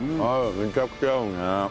めちゃくちゃ合うね。